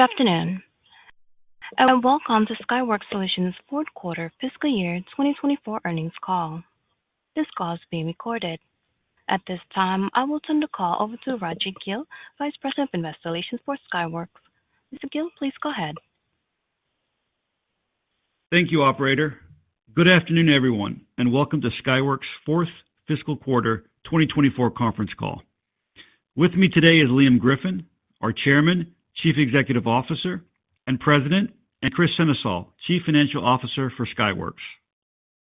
Good afternoon, and welcome to Skyworks Solutions' fourth quarter fiscal year 2024 earnings call. This call is being recorded. At this time, I will turn the call over to Rajiv Gill, Vice President of Investor Relations for Skyworks. Mr. Gill, please go ahead. Thank you, Operator. Good afternoon, everyone, and welcome to Skyworks' fourth fiscal quarter 2024 conference call. With me today is Liam Griffin, our Chairman, Chief Executive Officer, and President, and Kris Sennesael, Chief Financial Officer for Skyworks.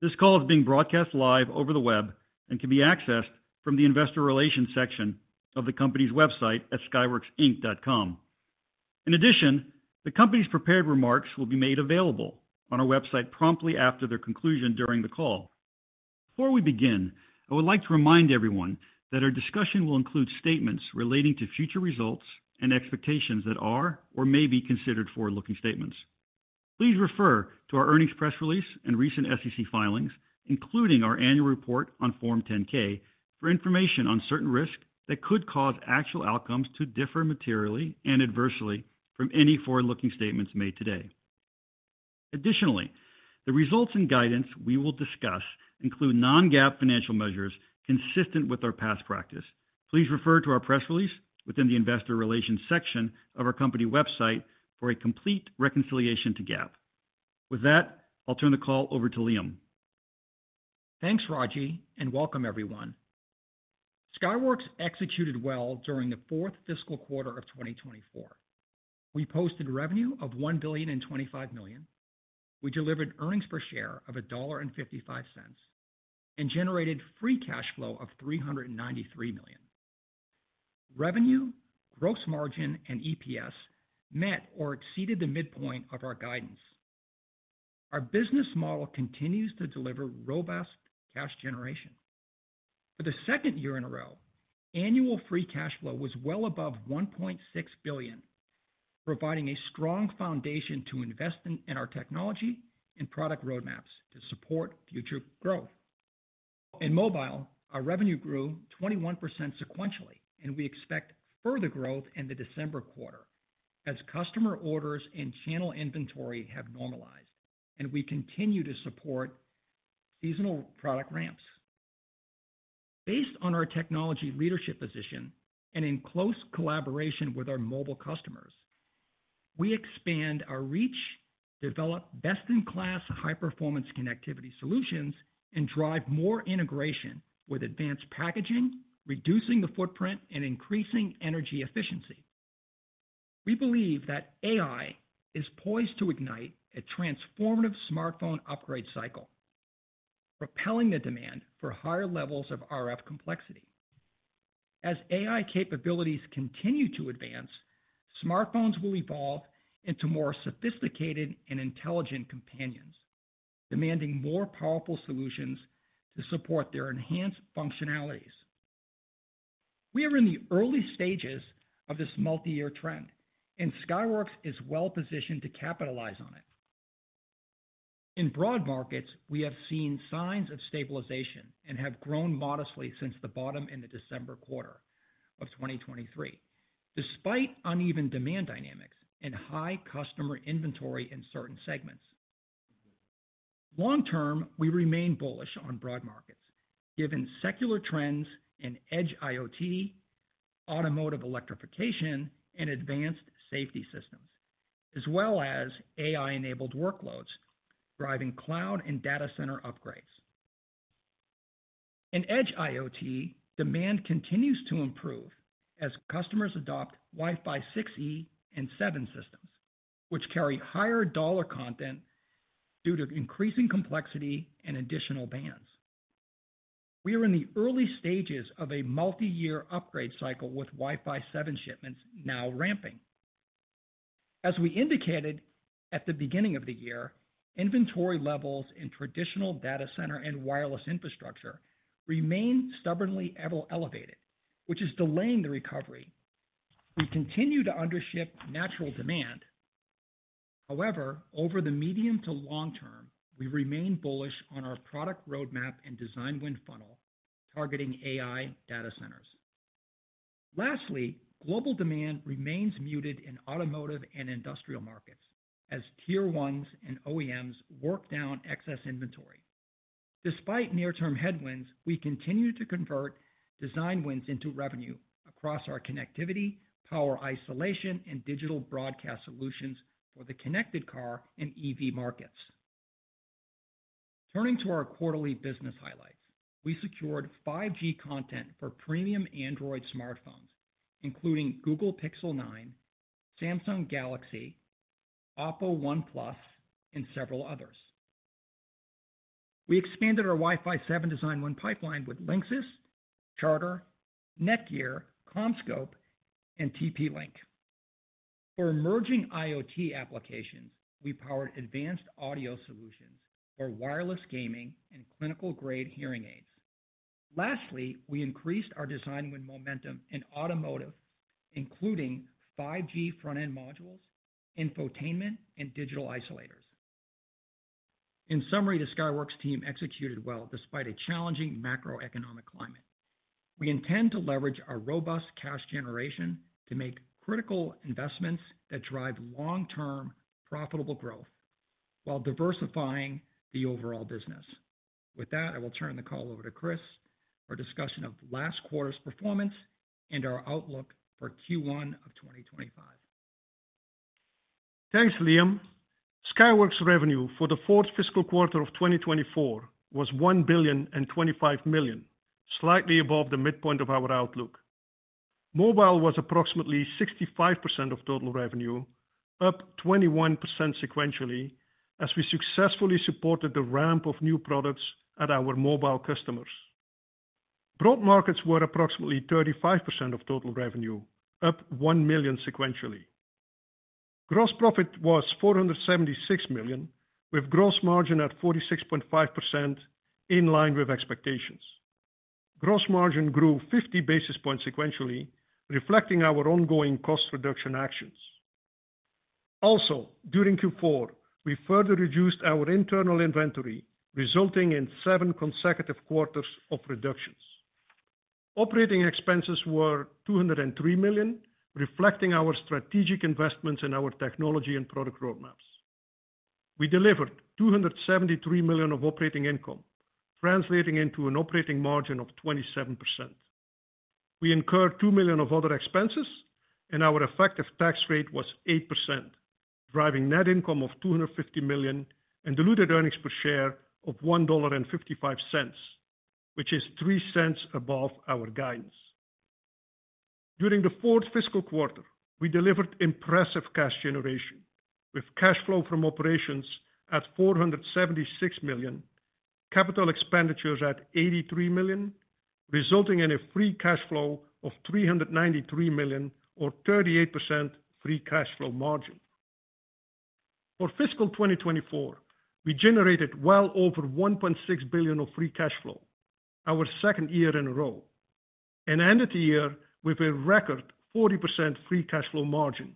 This call is being broadcast live over the web and can be accessed from the Investor Relations section of the company's website at skyworksinc.com. In addition, the company's prepared remarks will be made available on our website promptly after their conclusion during the call. Before we begin, I would like to remind everyone that our discussion will include statements relating to future results and expectations that are or may be considered forward-looking statements. Please refer to our earnings press release and recent SEC filings, including our annual report on Form 10-K, for information on certain risks that could cause actual outcomes to differ materially and adversely from any forward-looking statements made today. Additionally, the results and guidance we will discuss include non-GAAP financial measures consistent with our past practice. Please refer to our press release within the Investor Relations section of our company website for a complete reconciliation to GAAP. With that, I'll turn the call over to Liam. Thanks, Rajiv, and welcome, everyone. Skyworks executed well during the fourth fiscal quarter of 2024. We posted revenue of $1.025 billion. We delivered earnings per share of $1.55 and generated free cash flow of $393 million. Revenue, gross margin, and EPS met or exceeded the midpoint of our guidance. Our business model continues to deliver robust cash generation. For the second year in a row, annual free cash flow was well above $1.6 billion, providing a strong foundation to invest in our technology and product roadmaps to support future growth. In mobile, our revenue grew 21% sequentially, and we expect further growth in the December quarter as customer orders and channel inventory have normalized, and we continue to support seasonal product ramps. Based on our technology leadership position and in close collaboration with our mobile customers, we expand our reach, develop best-in-class high-performance connectivity solutions, and drive more integration with advanced packaging, reducing the footprint and increasing energy efficiency. We believe that AI is poised to ignite a transformative smartphone upgrade cycle, propelling the demand for higher levels of RF complexity. As AI capabilities continue to advance, smartphones will evolve into more sophisticated and intelligent companions, demanding more powerful solutions to support their enhanced functionalities. We are in the early stages of this multi-year trend, and Skyworks is well positioned to capitalize on it. In broad markets, we have seen signs of stabilization and have grown modestly since the bottom in the December quarter of 2023, despite uneven demand dynamics and high customer inventory in certain segments. Long-term, we remain bullish on broad markets, given secular trends in Edge IoT, automotive electrification, and advanced safety systems, as well as AI-enabled workloads driving cloud and data center upgrades. In Edge IoT, demand continues to improve as customers adopt Wi-Fi 6E and 7 systems, which carry higher dollar content due to increasing complexity and additional bands. We are in the early stages of a multi-year upgrade cycle with Wi-Fi 7 shipments now ramping. As we indicated at the beginning of the year, inventory levels in traditional data center and wireless infrastructure remain stubbornly elevated, which is delaying the recovery. We continue to under-ship natural demand. However, over the medium to long term, we remain bullish on our product roadmap and design win funnel targeting AI data centers. Lastly, global demand remains muted in automotive and industrial markets as Tier 1s and OEMs work down excess inventory. Despite near-term headwinds, we continue to convert design wins into revenue across our connectivity, power isolation, and digital broadcast solutions for the connected car and EV markets. Turning to our quarterly business highlights, we secured 5G content for premium Android smartphones, including Google Pixel 9, Samsung Galaxy, OPPO, OnePlus, and several others. We expanded our Wi-Fi 7 design win pipeline with Linksys, Charter, NETGEAR, CommScope, and TP-Link. For emerging IoT applications, we powered advanced audio solutions for wireless gaming and clinical-grade hearing aids. Lastly, we increased our design win momentum in automotive, including 5G front-end modules, infotainment, and digital isolators. In summary, the Skyworks team executed well despite a challenging macroeconomic climate. We intend to leverage our robust cash generation to make critical investments that drive long-term profitable growth while diversifying the overall business. With that, I will turn the call over to Kris for discussion of last quarter's performance and our outlook for Q1 of 2025. Thanks, Liam. Skyworks revenue for the fourth fiscal quarter of 2024 was $1,025,000,000, slightly above the midpoint of our outlook. Mobile was approximately 65% of total revenue, up 21% sequentially, as we successfully supported the ramp of new products at our mobile customers. Broad markets were approximately 35% of total revenue, up $1,000,000 sequentially. Gross profit was $476,000,000, with gross margin at 46.5%, in line with expectations. Gross margin grew 50 basis points sequentially, reflecting our ongoing cost reduction actions. Also, during Q4, we further reduced our internal inventory, resulting in seven consecutive quarters of reductions. Operating expenses were $203,000,000, reflecting our strategic investments in our technology and product roadmaps. We delivered $273,000,000 of operating income, translating into an operating margin of 27%. We incurred $2,000,000 of other expenses, and our effective tax rate was 8%, driving net income of $250,000,000 and diluted earnings per share of $1.55, which is three cents above our guidance. During the fourth fiscal quarter, we delivered impressive cash generation, with cash flow from operations at $476,000,000, capital expenditures at $83,000,000, resulting in a free cash flow of $393,000,000, or 38% free cash flow margin. For fiscal 2024, we generated well over $1.6 billion of free cash flow, our second year in a row, and ended the year with a record 40% free cash flow margin,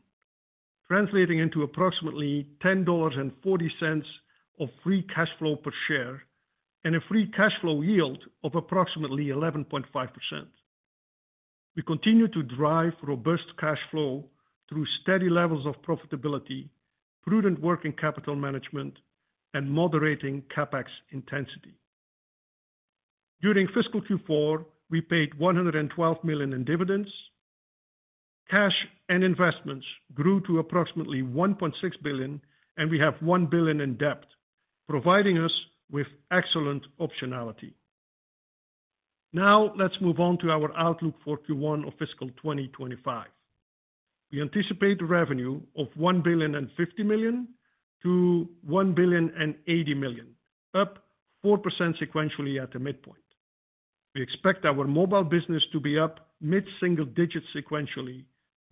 translating into approximately $10.40 of free cash flow per share and a free cash flow yield of approximately 11.5%. We continue to drive robust cash flow through steady levels of profitability, prudent working capital management, and moderating CapEx intensity. During fiscal Q4, we paid $112,000,000 in dividends. Cash and investments grew to approximately $1.6 billion, and we have $1 billion in debt, providing us with excellent optionality. Now, let's move on to our outlook for Q1 of fiscal 2025. We anticipate revenue of $1.05 billion-$1.08 billion, up 4% sequentially at the midpoint. We expect our mobile business to be up mid-single digit sequentially,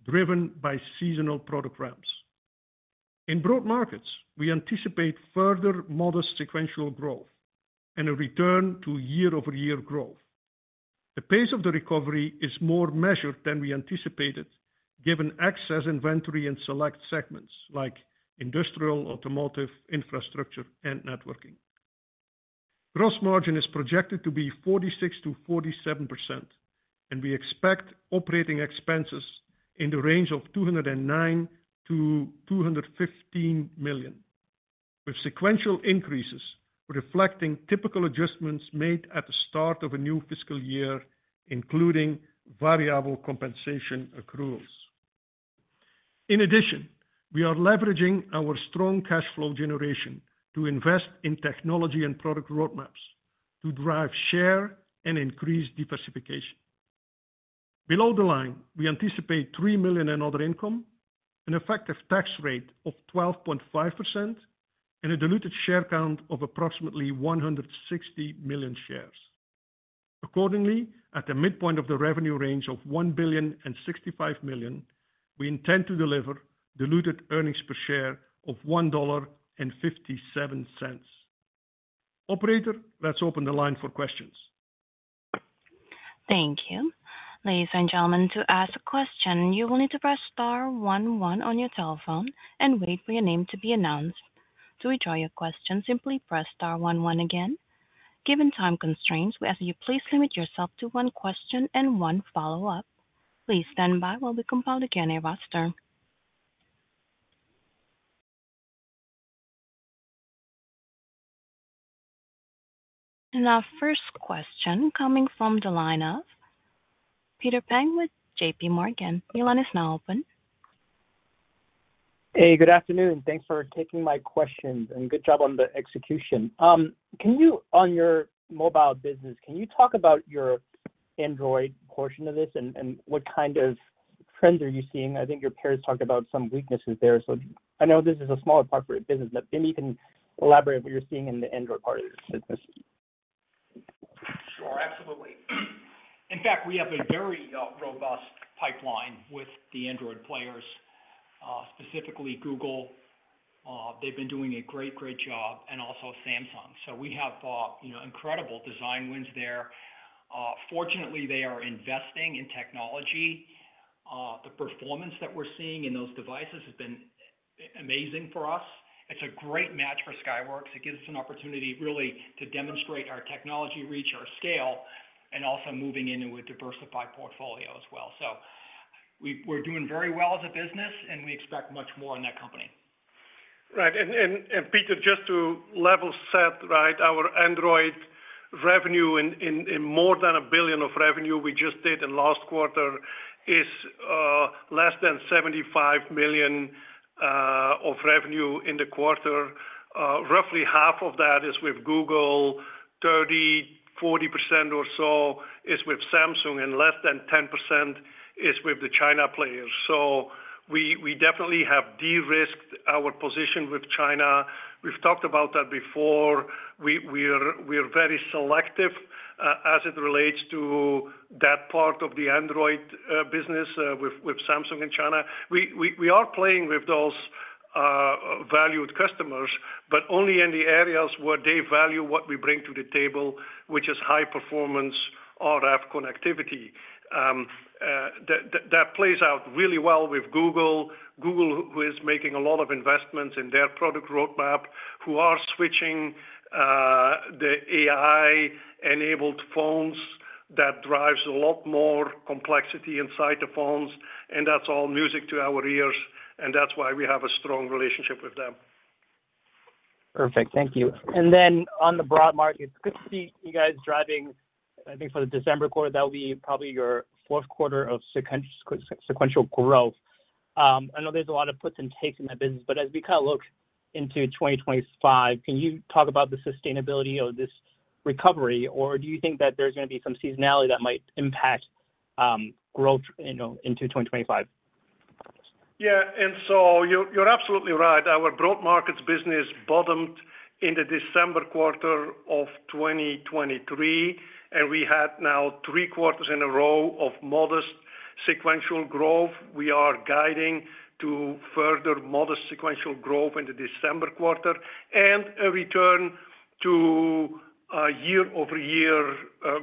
driven by seasonal product ramps. In broad markets, we anticipate further modest sequential growth and a return to year-over-year growth. The pace of the recovery is more measured than we anticipated, given excess inventory in select segments like industrial, automotive, infrastructure, and networking. Gross margin is projected to be 46%-47%, and we expect operating expenses in the range of $209 million-$215 million, with sequential increases reflecting typical adjustments made at the start of a new fiscal year, including variable compensation accruals. In addition, we are leveraging our strong cash flow generation to invest in technology and product roadmaps to drive share and increase diversification. Below the line, we anticipate $3 million in other income, an effective tax rate of 12.5%, and a diluted share count of approximately 160 million shares. Accordingly, at the midpoint of the revenue range of $1.065 billion, we intend to deliver diluted earnings per share of $1.57. Operator, let's open the line for questions. Thank you. Ladies and gentlemen, to ask a question, you will need to press star 11 on your telephone and wait for your name to be announced. To withdraw your question, simply press star 11 again. Given time constraints, we ask that you please limit yourself to one question and one follow-up. Please stand by while we compile the Q&A roster and our first question coming from the line of Peter Peng with J.P. Morgan. The line is now open. Hey, good afternoon. Thanks for taking my question, and good job on the execution. Can you, on your mobile business, can you talk about your Android portion of this and what kind of trends are you seeing? I think your peers talked about some weaknesses there. So I know this is a smaller part for your business, but maybe you can elaborate what you're seeing in the Android part of this business. Sure, absolutely. In fact, we have a very robust pipeline with the Android players, specifically Google. They've been doing a great, great job, and also Samsung. So we have incredible design wins there. Fortunately, they are investing in technology. The performance that we're seeing in those devices has been amazing for us. It's a great match for Skyworks. It gives us an opportunity really to demonstrate our technology reach, our scale, and also moving into a diversified portfolio as well. So we're doing very well as a business, and we expect much more in that company. Right. And Peter, just to level set, right, our Android revenue in more than a billion of revenue we just did in last quarter is less than $75 million of revenue in the quarter. Roughly half of that is with Google, 30%-40% or so is with Samsung, and less than 10% is with the China players. So we definitely have de-risked our position with China. We've talked about that before. We're very selective as it relates to that part of the Android business with Samsung and China. We are playing with those valued customers, but only in the areas where they value what we bring to the table, which is high-performance RF connectivity. That plays out really well with Google. Google, who is making a lot of investments in their product roadmap, who are switching the AI-enabled phones that drives a lot more complexity inside the phones. That's all music to our ears, and that's why we have a strong relationship with them. Perfect. Thank you. And then on the broad markets, good to see you guys driving, I think for the December quarter, that will be probably your fourth quarter of sequential growth. I know there's a lot of puts and takes in that business, but as we kind of look into 2025, can you talk about the sustainability of this recovery, or do you think that there's going to be some seasonality that might impact growth into 2025? Yeah. And so you're absolutely right. Our broad markets business bottomed in the December quarter of 2023, and we had now three quarters in a row of modest sequential growth. We are guiding to further modest sequential growth in the December quarter and a return to year-over-year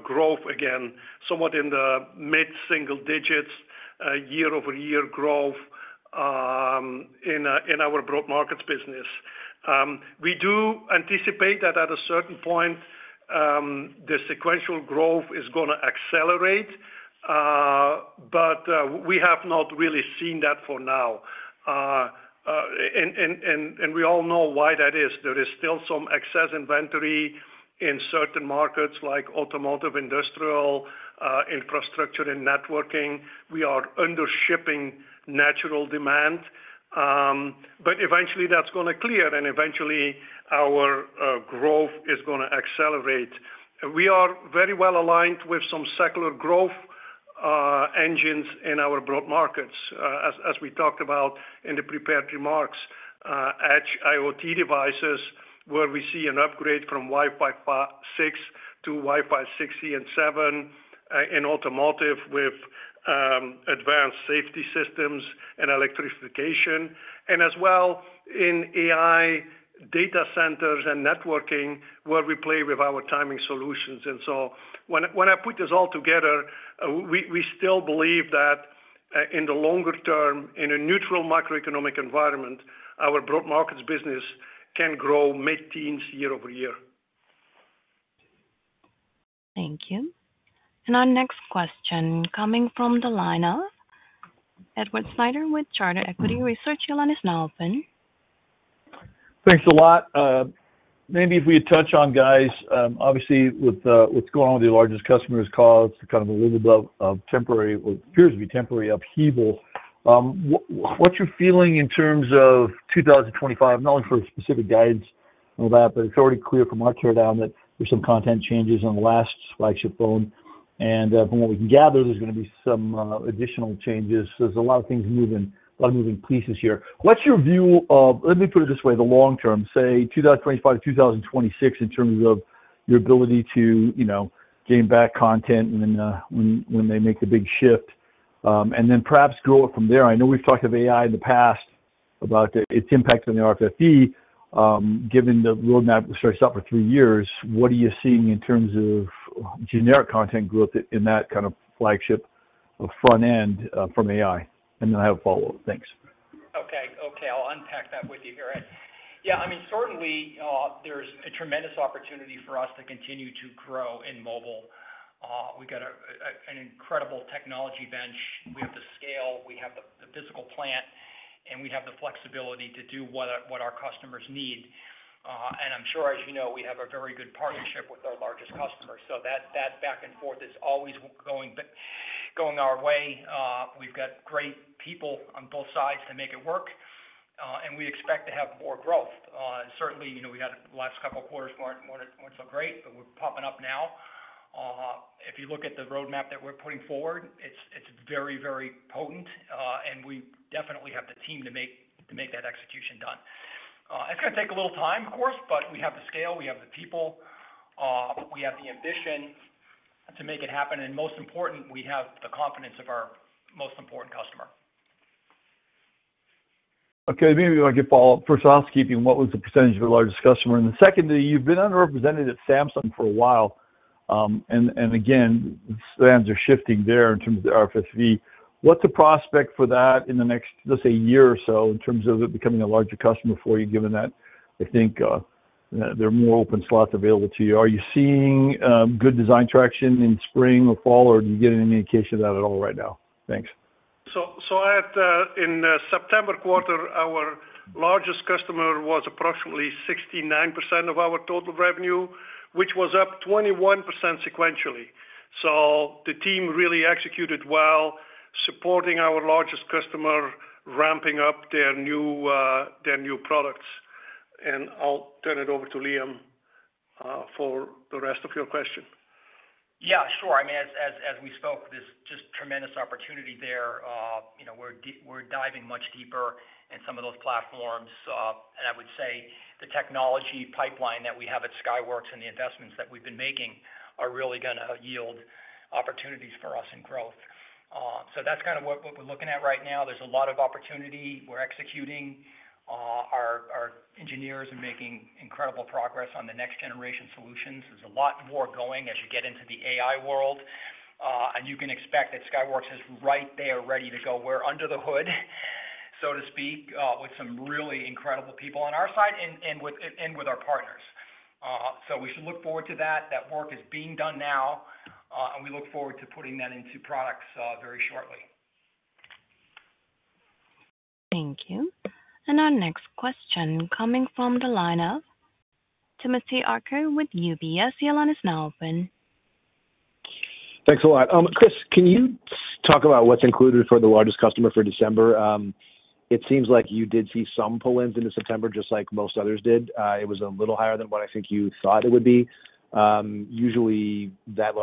growth again, somewhat in the mid-single digits, year-over-year growth in our broad markets business. We do anticipate that at a certain point, the sequential growth is going to accelerate, but we have not really seen that for now. And we all know why that is. There is still some excess inventory in certain markets like automotive, industrial, infrastructure, and networking. We are undershipping natural demand. But eventually, that's going to clear, and eventually, our growth is going to accelerate. We are very well aligned with some secular growth engines in our broad markets, as we talked about in the prepared remarks, Edge IoT devices, where we see an upgrade from Wi-Fi 6 to Wi-Fi 6E and 7 in automotive with advanced safety systems and electrification, and as well in AI data centers and networking, where we play with our timing solutions. And so when I put this all together, we still believe that in the longer term, in a neutral macroeconomic environment, our broad markets business can grow mid-teens, year-over-year. Thank you. And our next question coming from the line of Edward Snyder with Charter Equity Research. Your line is now open. Thanks a lot. Maybe if we touch on, guys, obviously with what's going on with the largest customers, calls kind of a little bit of temporary, what appears to be temporary upheaval. What's your feeling in terms of 2025? Not only for specific guidance and all that, but it's already clear from our teardown that there's some content changes on the last flagship phone, and from what we can gather, there's going to be some additional changes. There's a lot of things moving, a lot of moving pieces here. What's your view of, let me put it this way, the long term, say 2025 to 2026 in terms of your ability to gain back content when they make the big shift, and then perhaps grow it from there? I know we've talked of AI in the past, about its impact on the RFFE, given the roadmap that starts out for three years. What are you seeing in terms of generic content growth in that kind of flagship front end from AI? And then I have a follow-up. Thanks. Okay. Okay. I'll unpack that with you here. Yeah. I mean, certainly, there's a tremendous opportunity for us to continue to grow in mobile. We've got an incredible technology bench. We have the scale, we have the physical plant, and we have the flexibility to do what our customers need. And I'm sure, as you know, we have a very good partnership with our largest customers. So that back and forth is always going our way. We've got great people on both sides to make it work, and we expect to have more growth. Certainly, we had the last couple of quarters weren't so great, but we're popping up now. If you look at the roadmap that we're putting forward, it's very, very potent, and we definitely have the team to make that execution done. It's going to take a little time, of course, but we have the scale, we have the people, we have the ambition to make it happen, and most important, we have the confidence of our most important customer. Okay. Maybe I'll get follow-up. First off, what was the percentage of the largest customer? And the second, you've been underrepresented at Samsung for a while. And again, the sands are shifting there in terms of the RFFE What's the prospect for that in the next, let's say, year or so in terms of it becoming a larger customer for you, given that I think there are more open slots available to you? Are you seeing good design traction in spring or fall, or do you get any indication of that at all right now? Thanks. So in September quarter, our largest customer was approximately 69% of our total revenue, which was up 21% sequentially. So the team really executed well, supporting our largest customer, ramping up their new products. And I'll turn it over to Liam for the rest of your question. Yeah, sure. I mean, as we spoke, there's just tremendous opportunity there. We're diving much deeper in some of those platforms, and I would say the technology pipeline that we have at Skyworks and the investments that we've been making are really going to yield opportunities for us in growth, so that's kind of what we're looking at right now. There's a lot of opportunity. We're executing. Our engineers are making incredible progress on the next generation solutions. There's a lot more going as you get into the AI world, and you can expect that Skyworks is right there ready to go. We're under the hood, so to speak, with some really incredible people on our side and with our partners, so we should look forward to that. That work is being done now, and we look forward to putting that into products very shortly. Thank you. And our next question coming from the line of Timothy Arcuri with UBS. The line is now open. Thanks a lot. Kris, can you talk about what's included for the largest customer for December? It seems like you did see some pull-ins into September, just like most others did. It was a little higher than what I think you thought it would be. Usually, that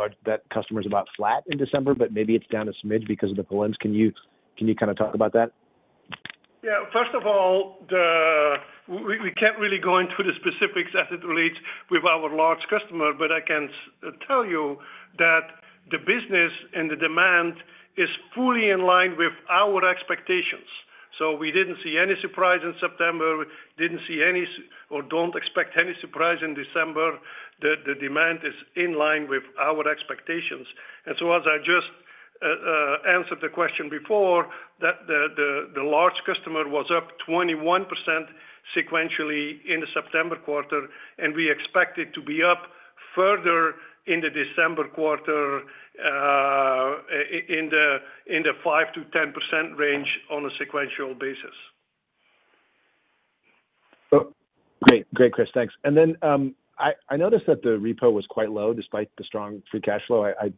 customer is about flat in December, but maybe it's down a smidge because of the pull-ins. Can you kind of talk about that? Yeah. First of all, we can't really go into the specifics as it relates with our large customer, but I can tell you that the business and the demand is fully in line with our expectations. So we didn't see any surprise in September, didn't see any or don't expect any surprise in December. The demand is in line with our expectations. And so as I just answered the question before, the large customer was up 21% sequentially in the September quarter, and we expect it to be up further in the December quarter in the 5%-10% range on a sequential basis. Great. Great, Kris. Thanks, and then I noticed that the repo was quite low despite the strong free cash flow. I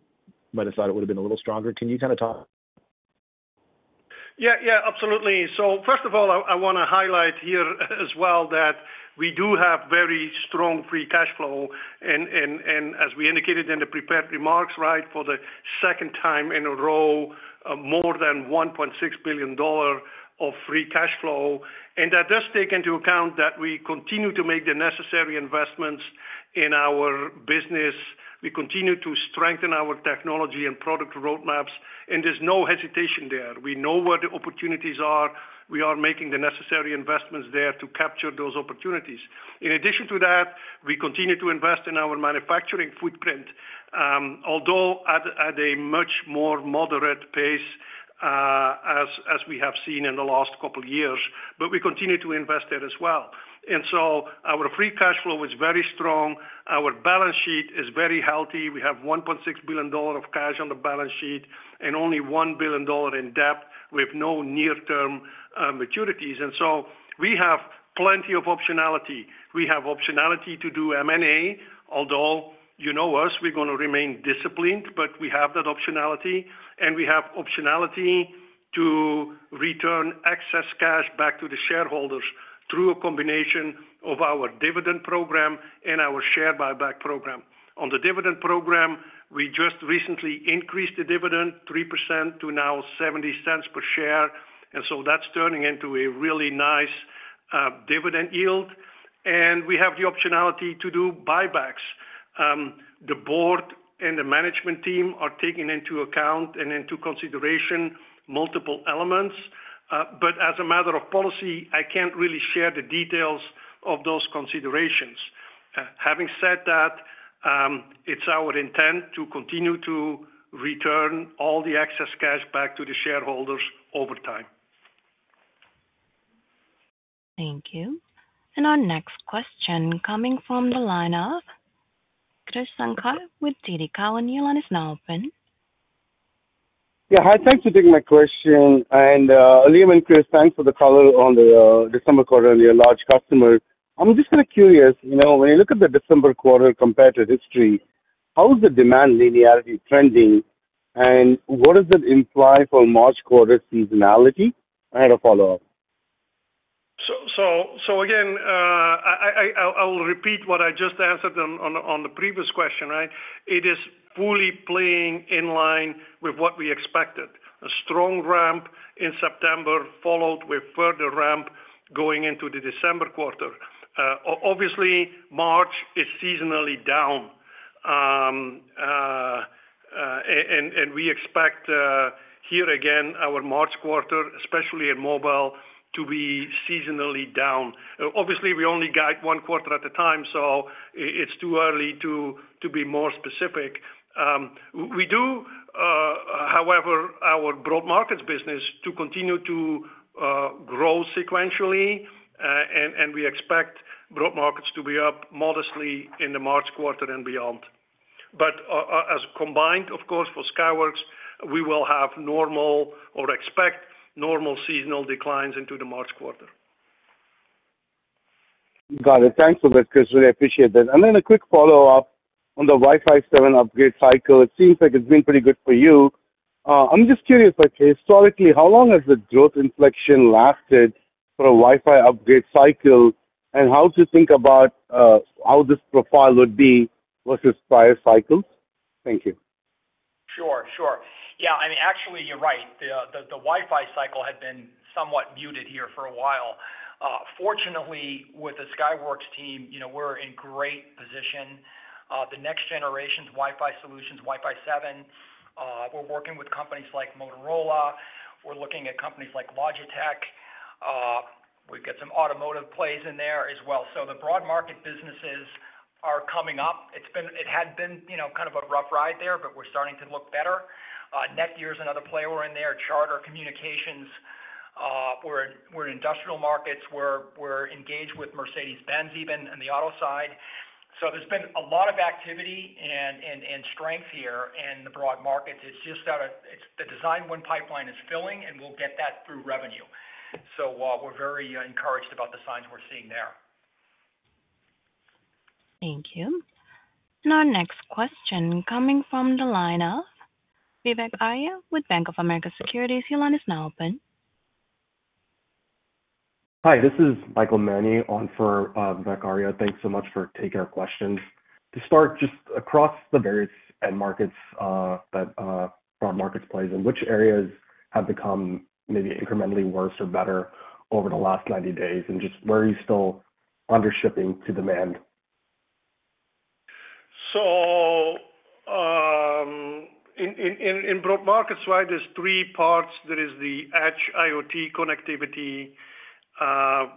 might have thought it would have been a little stronger. Can you kind of talk? Yeah, yeah, absolutely. So first of all, I want to highlight here as well that we do have very strong free cash flow. And as we indicated in the prepared remarks, right, for the second time in a row, more than $1.6 billion of free cash flow. And that does take into account that we continue to make the necessary investments in our business. We continue to strengthen our technology and product roadmaps, and there's no hesitation there. We know where the opportunities are. We are making the necessary investments there to capture those opportunities. In addition to that, we continue to invest in our manufacturing footprint, although at a much more moderate pace as we have seen in the last couple of years, but we continue to invest there as well. And so our free cash flow is very strong. Our balance sheet is very healthy. We have $1.6 billion of cash on the balance sheet and only $1 billion in debt with no near-term maturities. We have plenty of optionality. We have optionality to do M&A, although you know us, we're going to remain disciplined, but we have that optionality. We have optionality to return excess cash back to the shareholders through a combination of our dividend program and our share buyback program. On the dividend program, we just recently increased the dividend 3% to now $0.70 per share. That's turning into a really nice dividend yield. We have the optionality to do buybacks. The board and the management team are taking into account and into consideration multiple elements. As a matter of policy, I can't really share the details of those considerations. Having said that, it's our intent to continue to return all the excess cash back to the shareholders over time. Thank you. And our next question coming from the line of Krish Sankar with TD Cowen. The line is now open. Yeah. Hi. Thanks for taking my question. And Liam and Chris, thanks for the color on the December quarter and your large customer. I'm just kind of curious, when you look at the December quarter compared to history, how is the demand linearity trending, and what does that imply for March quarter seasonality? I had a follow-up. So again, I will repeat what I just answered on the previous question, right? It is fully playing in line with what we expected. A strong ramp in September followed with further ramp going into the December quarter. Obviously, March is seasonally down. And we expect here again, our March quarter, especially in mobile, to be seasonally down. Obviously, we only guide one quarter at a time, so it's too early to be more specific. We do, however, our broad markets business to continue to grow sequentially, and we expect broad markets to be up modestly in the March quarter and beyond. But as combined, of course, for Skyworks, we will have normal or expect normal seasonal declines into the March quarter. Got it. Thanks for that, Chris. Really appreciate that and then a quick follow-up on the Wi-Fi 7 upgrade cycle. It seems like it's been pretty good for you. I'm just curious, historically, how long has the growth inflection lasted for a Wi-Fi upgrade cycle, and how to think about how this profile would be versus prior cycles? Thank you. Sure, sure. Yeah. I mean, actually, you're right. The Wi-Fi cycle had been somewhat muted here for a while. Fortunately, with the Skyworks team, we're in great position. The next generation's Wi-Fi solutions, Wi-Fi 7, we're working with companies like Motorola. We're looking at companies like Logitech. We've got some automotive plays in there as well, so the broad market businesses are coming up. It had been kind of a rough ride there, but we're starting to look better. NETGEAR is another player in there. Charter Communications, we're in industrial markets. We're engaged with Mercedes-Benz even on the auto side, so there's been a lot of activity and strength here in the broad markets. It's just that the design win pipeline is filling, and we'll get that through revenue, so we're very encouraged about the signs we're seeing there. Thank you. And our next question coming from the line of Vivek Arya with Bank of America Securities. Vivek is now open. Hi. This is Michael Mani on for Vivek Arya. Thanks so much for taking our questions. To start, just across the various end markets, that broad markets plays, in which areas have become maybe incrementally worse or better over the last 90 days? And just where are you still undershooting to demand? So in broad markets, right, there are three parts. There is the Edge IoT connectivity,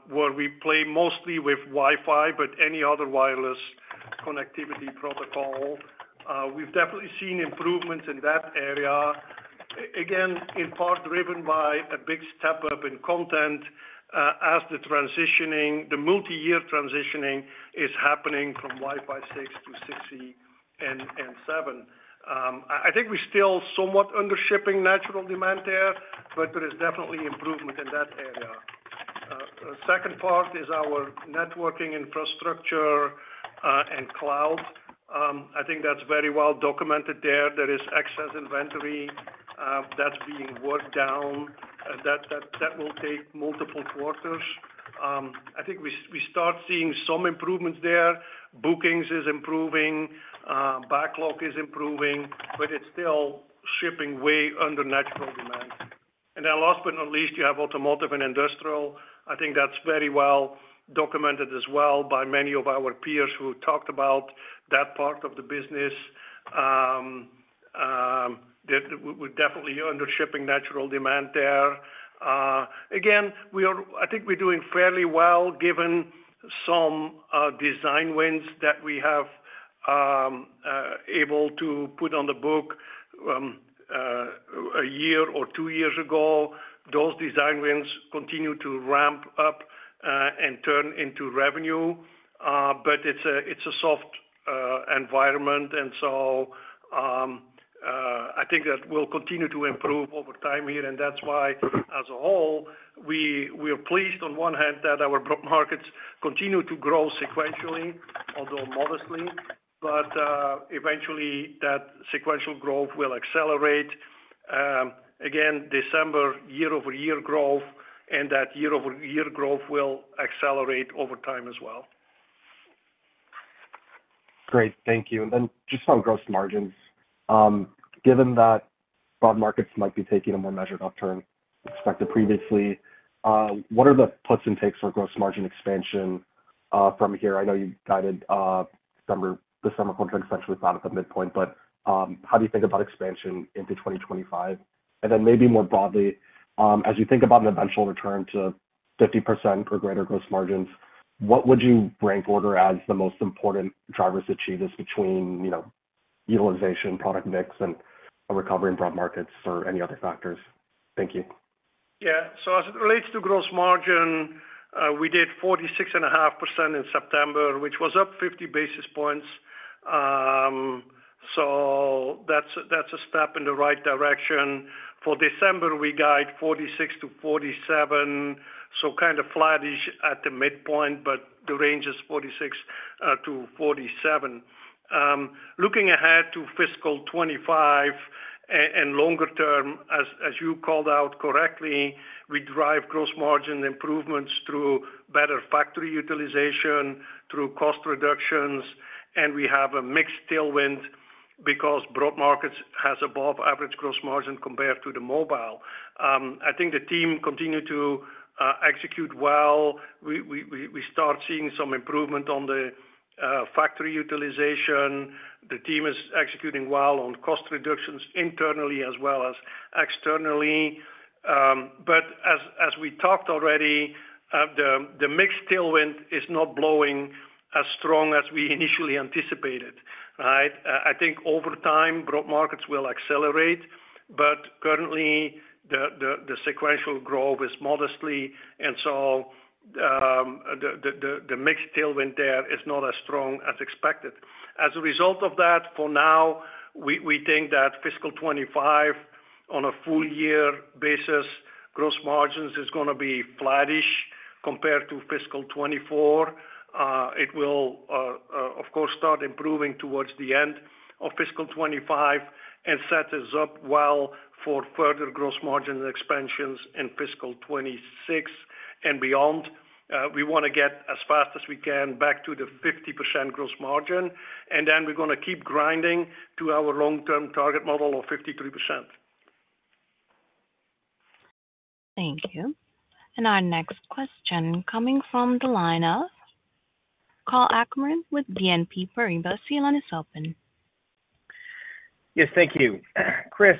where we play mostly with Wi-Fi, but any other wireless connectivity protocol. We have definitely seen improvements in that area. Again, in part driven by a big step up in content as the transitioning, the multi-year transitioning is happening from Wi-Fi 6 to 6E and 7. I think we are still somewhat undershooting natural demand there, but there is definitely improvement in that area. The second part is our networking infrastructure and cloud. I think that is very well documented there. There is excess inventory that is being worked down. That will take multiple quarters. I think we start seeing some improvements there. Bookings is improving. Backlog is improving, but it is still shipping way under natural demand. And then last but not least, you have automotive and industrial. I think that's very well documented as well by many of our peers who talked about that part of the business. We're definitely undershooting natural demand there. Again, I think we're doing fairly well given some design wins that we have able to put on the book a year or two years ago. Those design wins continue to ramp up and turn into revenue, but it's a soft environment, and so I think that we'll continue to improve over time here, and that's why, as a whole, we are pleased on one hand that our markets continue to grow sequentially, although modestly, but eventually, that sequential growth will accelerate. Again, December year-over-year growth, and that year-over-year growth will accelerate over time as well. Great. Thank you. And then just on gross margins, given that broad markets might be taking a more measured upturn expected previously, what are the puts and takes for gross margin expansion from here? I know you guided December quarter essentially thought of the midpoint, but how do you think about expansion into 2025? And then maybe more broadly, as you think about an eventual return to 50% or greater gross margins, what would you rank order as the most important drivers to achieve this between utilization, product mix, and a recovery in broad markets or any other factors? Thank you. Yeah, so as it relates to gross margin, we did 46.5% in September, which was up 50 basis points, so that's a step in the right direction. For December, we guide 46%-47%, so kind of flattish at the midpoint, but the range is 46%-47%. Looking ahead to fiscal 2025 and longer term, as you called out correctly, we drive gross margin improvements through better factory utilization, through cost reductions, and we have a mixed tailwind because broad markets has above average gross margin compared to the mobile. I think the team continued to execute well. We start seeing some improvement on the factory utilization. The team is executing well on cost reductions internally as well as externally. But as we talked already, the mixed tailwind is not blowing as strong as we initially anticipated, right? I think over time, broad markets will accelerate, but currently, the sequential growth is modest. And so the mixed tailwind there is not as strong as expected. As a result of that, for now, we think that fiscal 2025, on a full-year basis, gross margins is going to be flattish compared to fiscal 2024. It will, of course, start improving towards the end of fiscal 2025 and set us up well for further gross margin expansions in fiscal 2026 and beyond. We want to get as fast as we can back to the 50% gross margin, and then we're going to keep grinding to our long-term target model of 53%. Thank you, and our next question coming from the line of Karl Ackerman with BNP Paribas. The line is open. Yes, thank you. Kris,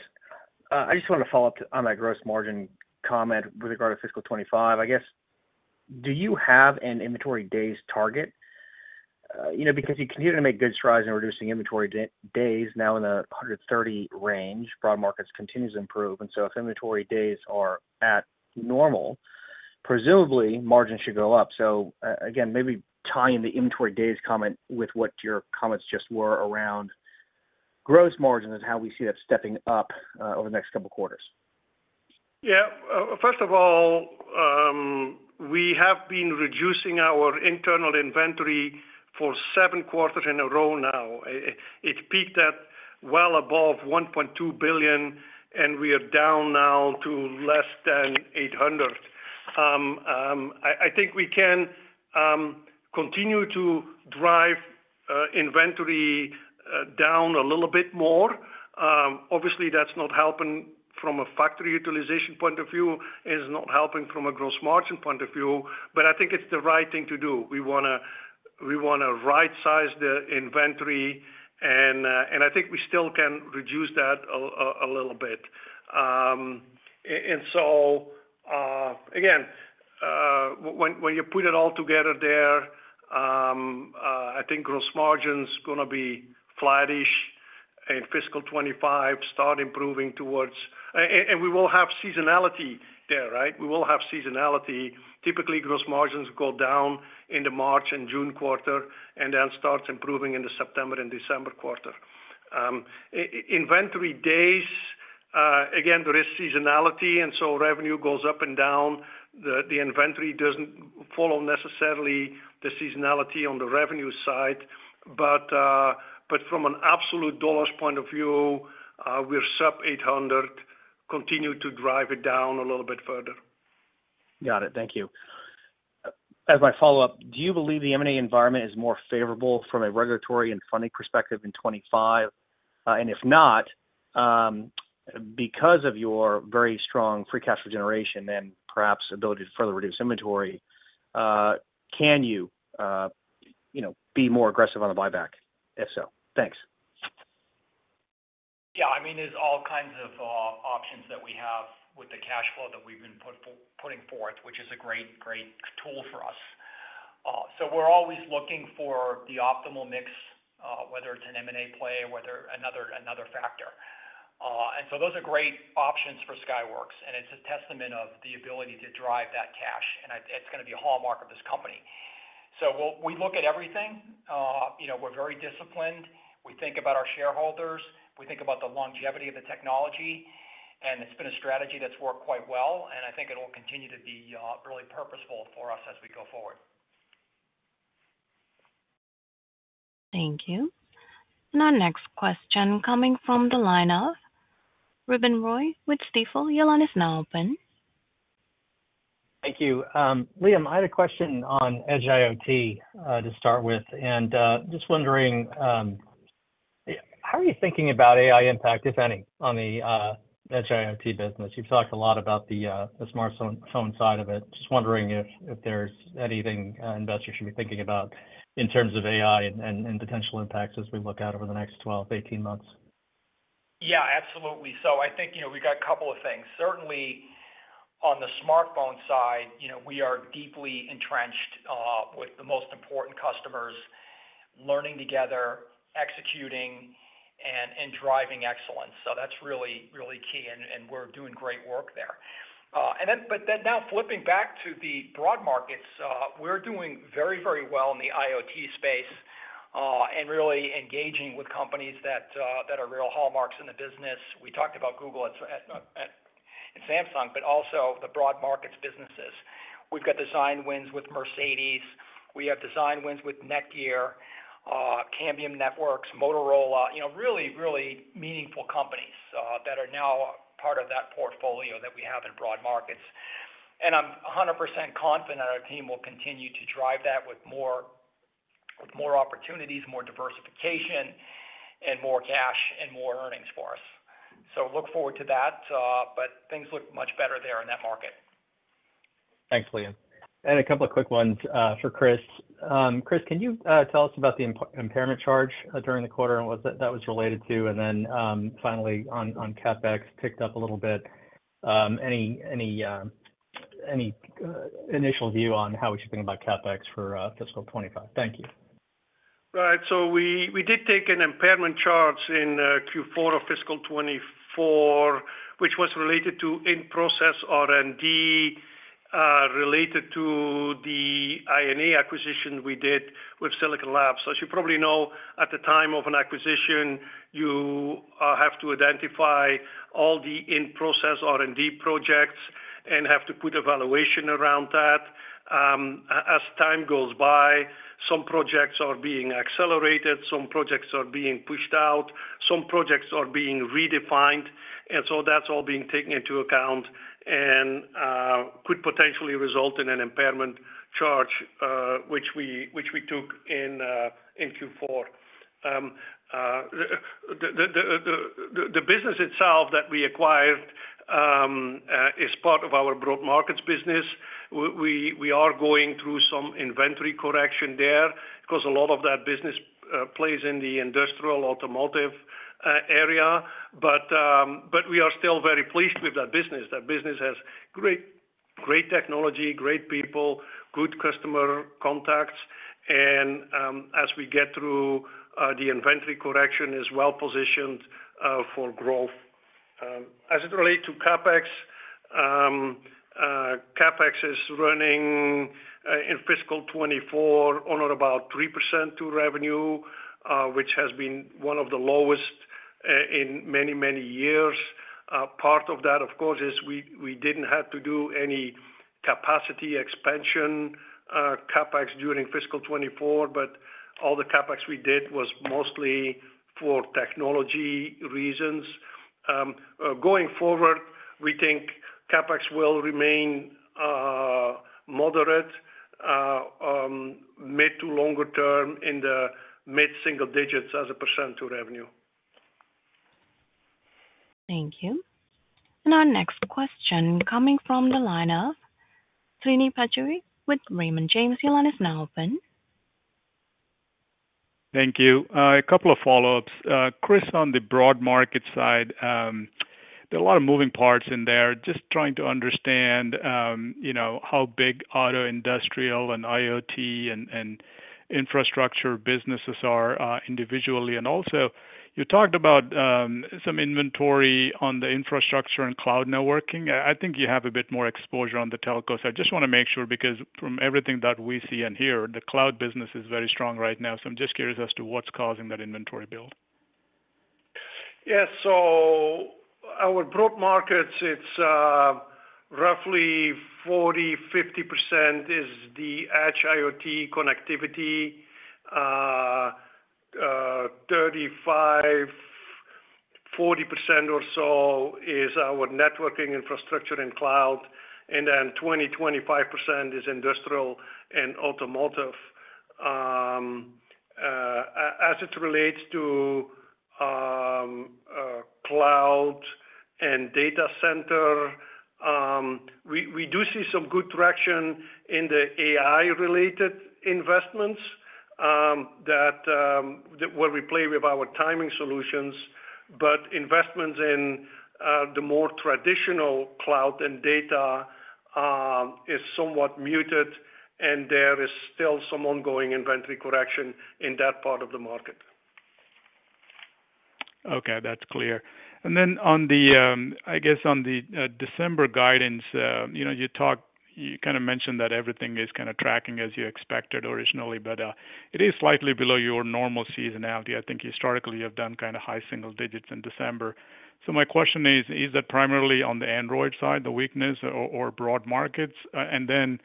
I just want to follow up on that gross margin comment with regard to fiscal 2025. I guess, do you have an inventory days target? Because you continue to make good strides in reducing inventory days now in the 130 range, broad markets continue to improve. And so if inventory days are at normal, presumably margins should go up. So again, maybe tying the inventory days comment with what your comments just were around gross margins and how we see that stepping up over the next couple of quarters. Yeah. First of all, we have been reducing our internal inventory for seven quarters in a row now. It peaked at well above $1.2 billion, and we are down now to less than $800 million. I think we can continue to drive inventory down a little bit more. Obviously, that's not helping from a factory utilization point of view. It's not helping from a gross margin point of view, but I think it's the right thing to do. We want to right-size the inventory, and I think we still can reduce that a little bit. And so again, when you put it all together there, I think gross margin's going to be flattish in fiscal 2025, start improving towards and we will have seasonality there, right? We will have seasonality. Typically, gross margins go down in the March and June quarter and then start improving in the September and December quarter. Inventory days, again, there is seasonality, and so revenue goes up and down. The inventory doesn't follow necessarily the seasonality on the revenue side. But from an absolute dollars point of view, we're sub 800, continue to drive it down a little bit further. Got it. Thank you. As my follow-up, do you believe the M&A environment is more favorable from a regulatory and funding perspective in 2025? And if not, because of your very strong free cash generation and perhaps ability to further reduce inventory, can you be more aggressive on the buyback if so? Thanks. Yeah. I mean, there's all kinds of options that we have with the cash flow that we've been putting forth, which is a great, great tool for us. So we're always looking for the optimal mix, whether it's an M&A play or whether another factor. And so those are great options for Skyworks, and it's a testament of the ability to drive that cash, and it's going to be a hallmark of this company. So we look at everything. We're very disciplined. We think about our shareholders. We think about the longevity of the technology, and it's been a strategy that's worked quite well, and I think it will continue to be really purposeful for us as we go forward. Thank you. And our next question coming from the line of Ruben Roy with Stifel. Your line is now open. Thank you. Liam, I had a question on Edge IoT to start with, and just wondering, how are you thinking about AI impact, if any, on the Edge IoT business? You've talked a lot about the smartphone side of it. Just wondering if there's anything investors should be thinking about in terms of AI and potential impacts as we look out over the next 12 to 18 months. Yeah. Absolutely. So I think we've got a couple of things. Certainly, on the smartphone side, we are deeply entrenched with the most important customers, learning together, executing, and driving excellence. So that's really, really key, and we're doing great work there. But then now flipping back to the broad markets, we're doing very, very well in the IoT space and really engaging with companies that are real hallmarks in the business. We talked about Google and Samsung, but also the broad markets businesses. We've got design wins with Mercedes. We have design wins with NETGEAR, Cambium Networks, Motorola, really, really meaningful companies that are now part of that portfolio that we have in broad markets, and I'm 100% confident our team will continue to drive that with more opportunities, more diversification, and more cash and more earnings for us, so look forward to that, but things look much better there in that market. Thanks, Liam, and a couple of quick ones for Chris. Chris, can you tell us about the impairment charge during the quarter and what that was related to? And then finally, on CapEx, picked up a little bit. Any initial view on how we should think about CapEx for fiscal 25? Thank you. Right. So we did take an impairment charge in Q4 of fiscal 2024, which was related to in-process R&D related to the I&A acquisition we did with Silicon Labs. As you probably know, at the time of an acquisition, you have to identify all the in-process R&D projects and have to put evaluation around that. As time goes by, some projects are being accelerated, some projects are being pushed out, some projects are being redefined, and so that's all being taken into account and could potentially result in an impairment charge, which we took in Q4. The business itself that we acquired is part of our broad markets business. We are going through some inventory correction there because a lot of that business plays in the industrial automotive area, but we are still very pleased with that business. That business has great technology, great people, good customer contacts, and as we get through, the inventory correction is well positioned for growth. As it relates to CapEx, CapEx is running in fiscal 2024 on or about 3% of revenue, which has been one of the lowest in many, many years. Part of that, of course, is we didn't have to do any capacity expansion CapEx during fiscal 2024, but all the CapEx we did was mostly for technology reasons. Going forward, we think CapEx will remain moderate mid- to longer-term in the mid-single digits as a percent of revenue. Thank you. And our next question coming from the line of Srini Pajjuri with Raymond James. The line is now open. Thank you. A couple of follow-ups. Kris, on the broad market side, there are a lot of moving parts in there. Just trying to understand how big auto industrial and IoT and infrastructure businesses are individually. And also, you talked about some inventory on the infrastructure and cloud networking. I think you have a bit more exposure on the telcos. I just want to make sure because from everything that we see and hear, the cloud business is very strong right now. So I'm just curious as to what's causing that inventory build. Yeah. So our broad markets, it's roughly 40%-50% is the edge IoT connectivity. 35%-40% or so is our networking infrastructure and cloud, and then 20%-25% is industrial and automotive. As it relates to cloud and data center, we do see some good traction in the AI-related investments where we play with our timing solutions, but investments in the more traditional cloud and data is somewhat muted, and there is still some ongoing inventory correction in that part of the market. Okay. That's clear. And then on the, I guess, on the December guidance, you kind of mentioned that everything is kind of tracking as you expected originally, but it is slightly below your normal seasonality. I think historically you have done kind of high single digits in December. So my question is, is that primarily on the Android side, the weakness, or broad markets? And then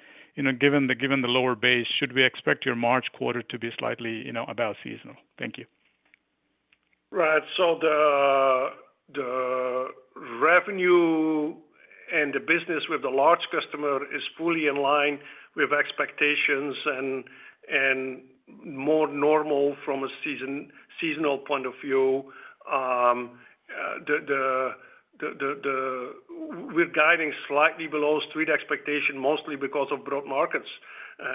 given the lower base, should we expect your March quarter to be slightly above seasonal? Thank you. Right. So the revenue and the business with the large customer is fully in line with expectations and more normal from a seasonal point of view. We're guiding slightly below street expectation, mostly because of broad markets.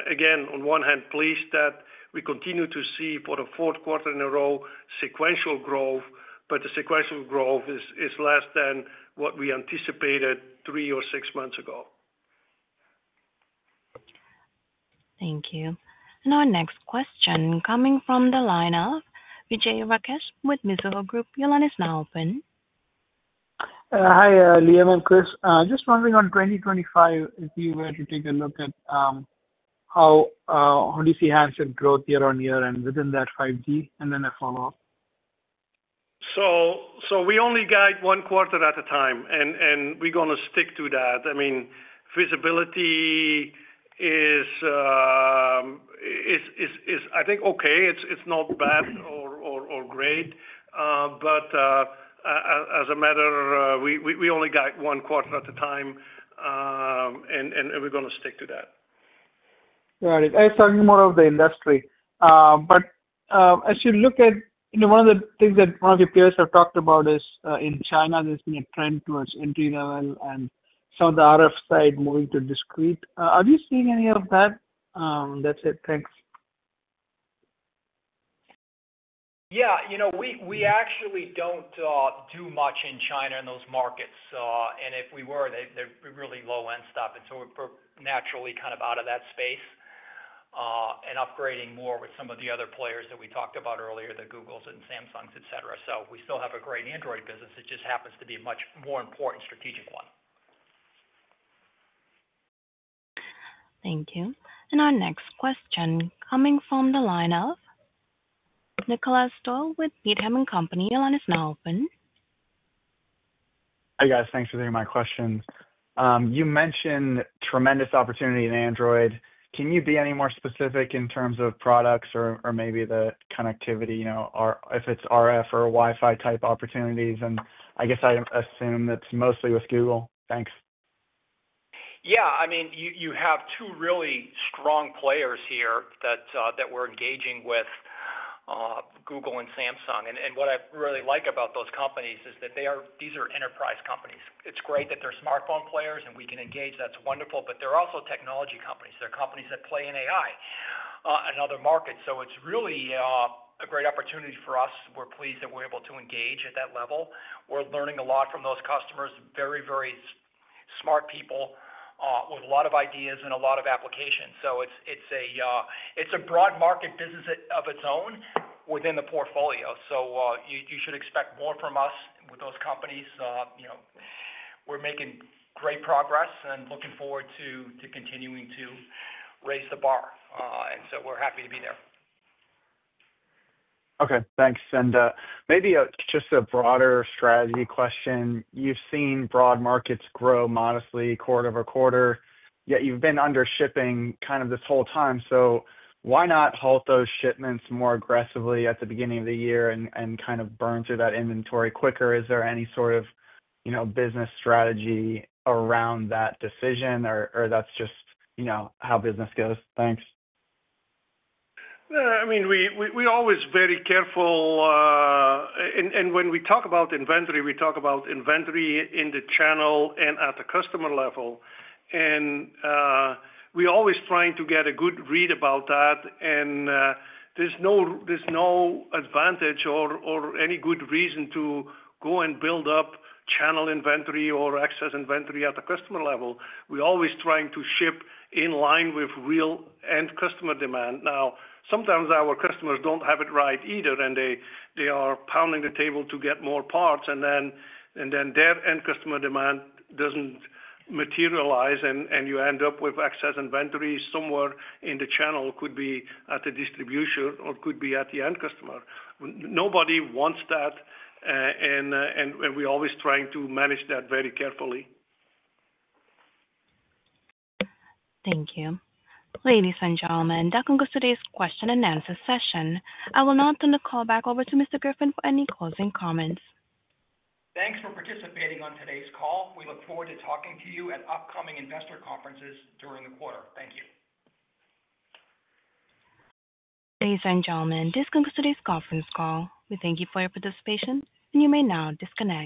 Again, on one hand, pleased that we continue to see for the fourth quarter in a row sequential growth, but the sequential growth is less than what we anticipated three or six months ago. Thank you. And our next question coming from the line of Vijay Rakesh with Mizuho Group. Your line is now open. Hi, Liam and Chris. Just wondering on 2025, if you were to take a look at how do you see handset growth year on year and within that 5G, and then a follow-up? So we only guide one quarter at a time, and we're going to stick to that. I mean, visibility is, I think, okay. It's not bad or great, but as a matter, we only guide one quarter at a time, and we're going to stick to that. Got it. I was talking more of the industry, but as you look at one of the things that one of your peers have talked about is in China, there's been a trend towards entry-level and some of the RF side moving to discrete. Are you seeing any of that? That's it. Thanks. Yeah. We actually don't do much in China in those markets, and if we were, they're really low-end stuff, and so we're naturally kind of out of that space and upgrading more with some of the other players that we talked about earlier, the Googles and Samsungs, etc., so we still have a great Android business. It just happens to be a much more important strategic one. Thank you. Our next question coming from the line of Nick Doyle with Needham & Company. Your line is now open. Hi guys. Thanks for taking my questions. You mentioned tremendous opportunity in Android. Can you be any more specific in terms of products or maybe the connectivity, if it's RF or Wi-Fi type opportunities? And I guess I assume that's mostly with Google. Thanks. Yeah. I mean, you have two really strong players here that we're engaging with, Google and Samsung. And what I really like about those companies is that these are enterprise companies. It's great that they're smartphone players and we can engage. That's wonderful, but they're also technology companies. They're companies that play in AI and other markets. So it's really a great opportunity for us. We're pleased that we're able to engage at that level. We're learning a lot from those customers. Very, very smart people with a lot of ideas and a lot of applications. So it's a broad market business of its own within the portfolio. So you should expect more from us with those companies. We're making great progress and looking forward to continuing to raise the bar. And so we're happy to be there. Okay. Thanks. And maybe just a broader strategy question. You've seen broad markets grow modestly quarter over quarter, yet you've been under shipping kind of this whole time. So why not halt those shipments more aggressively at the beginning of the year and kind of burn through that inventory quicker? Is there any sort of business strategy around that decision, or that's just how business goes? Thanks. I mean, we're always very careful. And when we talk about inventory, we talk about inventory in the channel and at the customer level. And we're always trying to get a good read about that, and there's no advantage or any good reason to go and build up channel inventory or excess inventory at the customer level. We're always trying to ship in line with real end customer demand. Now, sometimes our customers don't have it right either, and they are pounding the table to get more parts, and then their end customer demand doesn't materialize, and you end up with excess inventory somewhere in the channel, could be at the distribution or could be at the end customer. Nobody wants that, and we're always trying to manage that very carefully. Thank you. Ladies and gentlemen, that concludes today's question and answer session. I will now turn the call back over to Mr. Griffin for any closing comments. Thanks for participating on today's call. We look forward to talking to you at upcoming investor conferences during the quarter. Thank you. Ladies and gentlemen, this concludes today's conference call. We thank you for your participation, and you may now disconnect.